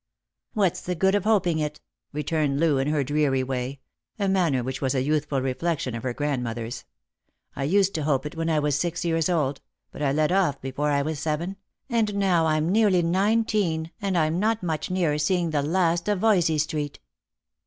" What's the good of hoping it? " returned Loo, in her dreary way — a manner which was a youthful reflection of her grand mother's. " I used to hope it when I was six years old, but I left off before I was seven ; and now I'm nearly nineteen, and I'm not much nearer seeing the last of Voysey street."